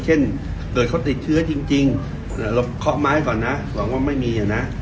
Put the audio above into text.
เช่นเกิดเขาติดเชื้อจริงเราเคาะไม้ก่อนนะหวังว่าไม่มีนะ